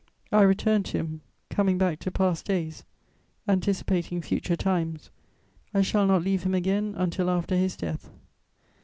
I return to him: coming back to past days, anticipating future times, I shall not leave him again until after his death.